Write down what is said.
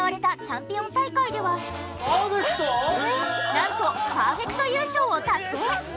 なんとパーフェクト優勝を達成！